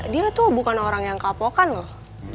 dia tuh bukan orang yang kapokan loh